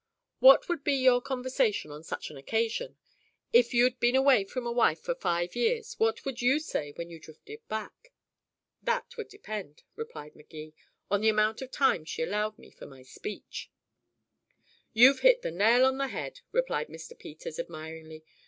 What would be your conversation on such an occasion? If you'd been away from a wife for five years, what would you say when you drifted back?" "That would depend," replied Magee, "on the amount of time she allowed me for my speech." "You've hit the nail on the head," replied Mr. Peters admiringly.